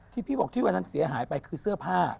ที่พี่บอกที่วันนั้นเสียหายไปคือเสื้อผ้า